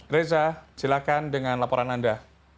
reza silakan dengan laporan anda